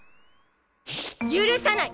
許さない！